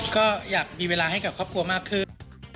ก็อยากมีเวลาให้กับครอบครัวมากขึ้น